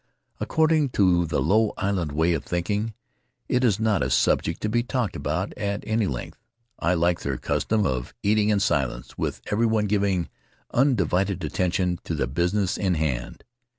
According to the Low Island way of thinking, it is not a subject to be talked about at any length. I liked their custom of eating in silence, with everyone giving undivided attention to the business in hand.